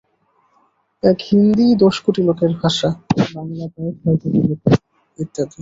এক হিন্দীই দশ কোটি লোকের ভাষা, বাঙলা প্রায় ছয় কোটি লোকের, ইত্যাদি।